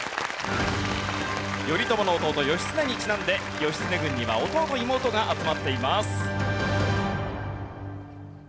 頼朝の弟義経にちなんで義経軍には弟・妹が集まっています。